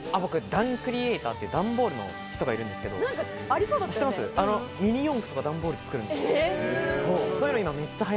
段クリエイターっていう段ボールのクリエイターがいるんですけど、ミニ四駆とか段ボールで作るんですよ。